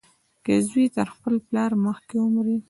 که زوى تر خپل پلار مخکې ومري.